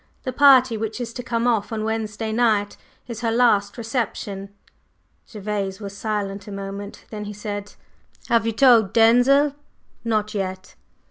The party which is to come off on Wednesday night is her last reception." Gervase was silent a moment. Then he said: "Have you told Denzil?" "Not yet."